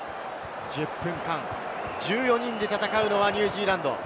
１０分間、１４人で戦うのがニュージーランド。